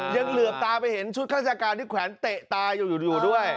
เหลือบตาไปเห็นชุดข้าราชการที่แขวนเตะตาอยู่ด้วย